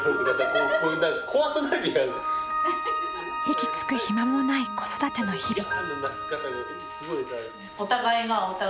息つく暇もない子育ての日々。